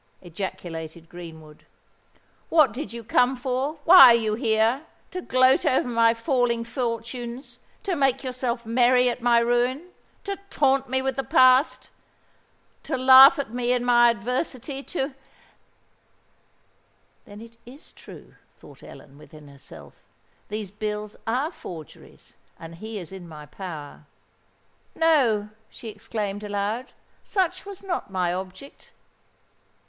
ejaculated Greenwood. "What did you come for? why are you here? To gloat over my falling fortunes—to make yourself merry at my ruin—to taunt me with the past—to laugh at me in my adversity—to——" "Then it is true," thought Ellen, within herself: "these bills are forgeries—and he is in my power.—No," she exclaimed aloud; "such was not my object."